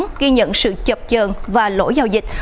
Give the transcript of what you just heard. ghi nhận sự chập trờn và lỗi giao dịch